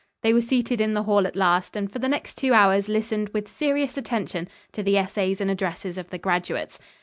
They were seated in the hall at last, and for the next two hours listened with serious attention to the essays and addresses of the graduates.